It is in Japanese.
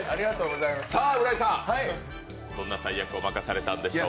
浦井さん、どんな大役を任されたんでしょうか？